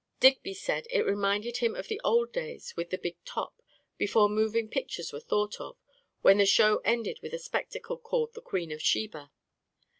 Digby said it reminded him of the old days with the big top, be fore moving pictures were thought of, when the show ended with a spectacle called The Queen of Sheba.